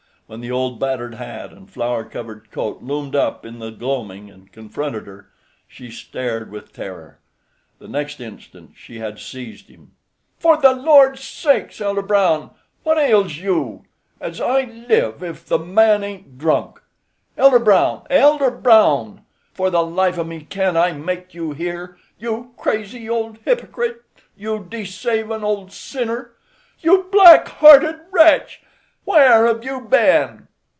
When the old battered hat and flour covered coat loomed up in the gloaming and confronted her, she stared with terror. The next instant she had seized him. "For the Lord sakes, Elder Brown, what ails you? As I live, if the man ain't drunk! Elder Brown! Elder Brown! for the life of me can't I make you hear? You crazy old hypocrite! you desavin' old sinner! you black hearted wretch! where have you ben?"